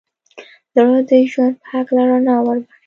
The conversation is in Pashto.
زړه د ژوند په هکله رڼا وربښي.